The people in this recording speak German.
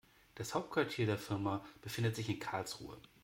Das Hauptquartier der Firma befindet sich in Karlsruhe